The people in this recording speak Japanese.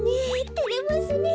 てれますねえ。